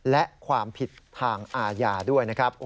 และความผิดทางอาญาด้วยนะครับ